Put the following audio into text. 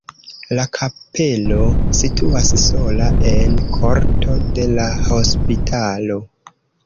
La kapelo situas sola en korto de la hospitalo.